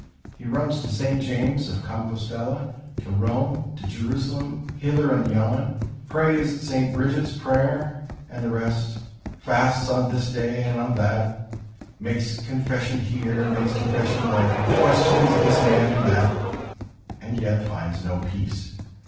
He runs to St. James of Compostella, to Rome, to Jerusalem, hither and yon, prays St. Bridget's prayer and the rest, fasts on this day and on that, makes confession here, and makes confession there, questions this man and that, and yet finds no peace.